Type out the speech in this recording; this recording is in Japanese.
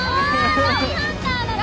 大ハンターだって！